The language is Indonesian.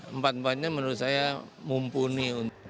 empat empatnya menurut saya mumpuni